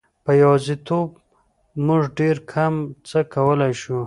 په یوازیتوب موږ ډېر کم څه کولای شو.